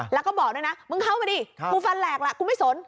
แล้วก็บอกด้วยนะมึงเข้ามาดิกูฟันแหลกล่ะกูไม่สน